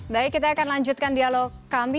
baik kita akan lanjutkan dialog kami